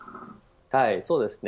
そうですね。